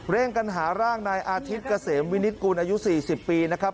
เร่งกันหาร่างนายอาทิตย์เกษมวินิตกุลอายุ๔๐ปีนะครับ